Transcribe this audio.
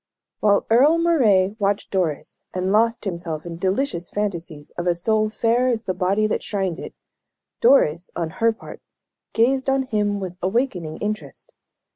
While Earle Moray watched Doris, and lost himself in delicious fancies of a soul fair as the body that shrined it, Doris, on her part, gazed on him with awakening interest.